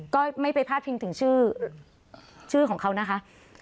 ก็ไม่ไปพาดพิงถึงชื่อของเขานะคะ